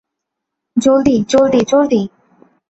জলদি, জলদি, জলদি!